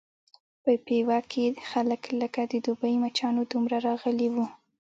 په پېوه کې خلک لکه د دوبي مچانو دومره راغلي وو.